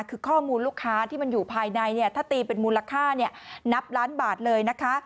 คือข้อมูลลูกค้าที่มันอยู่ภายในถ้าตีเป็นมูลค่านับล้านบาทเลยนะคะ